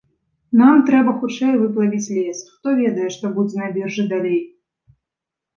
Нам трэба хутчэй выплавіць лес, хто ведае, што будзе на біржы далей.